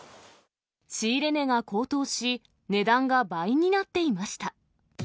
仕入れ値が高騰し、値段が倍になっていました。